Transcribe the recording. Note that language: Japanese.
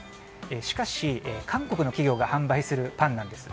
しかし韓国の企業が販売するパンなんです。